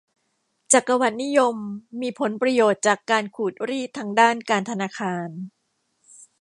จักรวรรดินิยมมีผลประโยชน์จากการขูดรีดทางด้านการธนาคาร